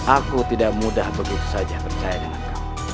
aku tidak mudah begitu saja percaya dengan kamu